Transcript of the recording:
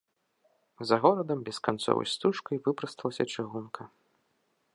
За горадам бесканцовай стужкай выпрасталася чыгунка.